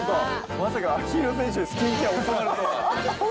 まさか秋広選手にスキンケア教わるとは。